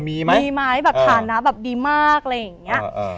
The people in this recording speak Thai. มีไหมมีไหมแบบฐานะแบบดีมากอะไรอย่างเงี้ย